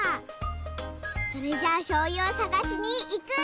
それじゃあしょうゆをさがしにいく。